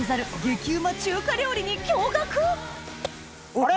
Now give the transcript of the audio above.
あれ？